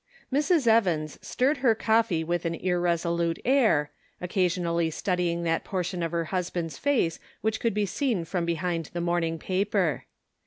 RS. Evans stirred her coffee with an irresolute air, occasionally studying that portion of her husband's face which could be seen from behind the morning paper.